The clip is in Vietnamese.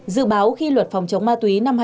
dự báo khi luật phòng chống ma túy